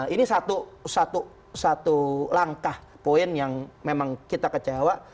ini satu langkah poin yang memang kita kecewa